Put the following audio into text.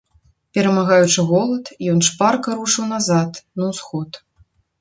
Перамагаючы голад, ён шпарка рушыў назад, на ўсход.